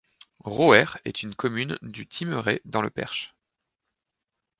Rohaire est une commune du Thymerais dans le Perche.